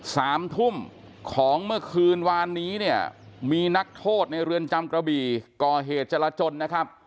สามทุ่มของเมื่อคืนวานนี้เนี่ยมีนักโทษในเรือนจำกระบี่ก่อเหตุจรจนนะครับ